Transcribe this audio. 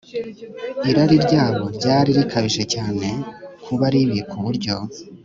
Irari ryabo ryari rikabije cyane kuba ribi ku buryo